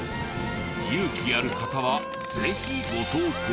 勇気ある方はぜひご投稿を。